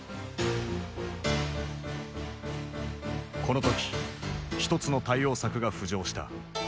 この時一つの対応策が浮上した。